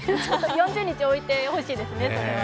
４０日置いてほしいですね。